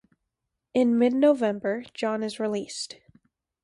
In mid-November, John is released.